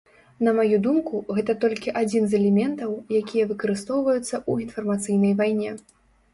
На маю думку, гэта толькі адзін з элементаў, якія выкарыстоўваюцца ў інфармацыйнай вайне.